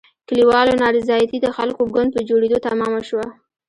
کلیوالو نارضایتي د خلکو ګوند په جوړېدو تمامه شوه.